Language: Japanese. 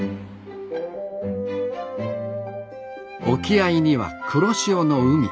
沖合には黒潮の海。